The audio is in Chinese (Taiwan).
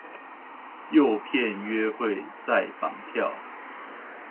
誘騙約會再綁票